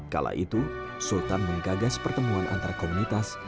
kala itu sultan menggagas pertemuan antar komunitas